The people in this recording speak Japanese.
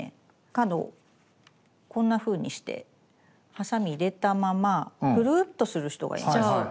角をこんなふうにしてハサミ入れたままぐるーっとする人がいます。